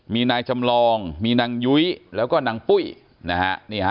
มีนายจำลองมีนางยุ้ยแล้วก็นางปุ้ยนะฮะ